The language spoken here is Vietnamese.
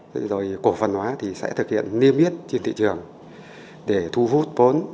thế rồi cổ phần hóa thì sẽ thực hiện niêm yết trên thị trường để thu hút vốn